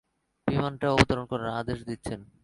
বিমানটা অবতরণ করার আদেশ দিচ্ছেন।